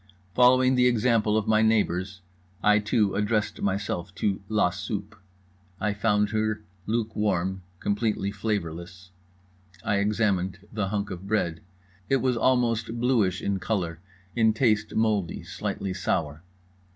Following the example of my neighbours, I too addressed myself to La Soupe. I found her luke warm, completely flavourless. I examined the hunk of bread. It was almost bluish in colour; in taste mouldy, slightly sour.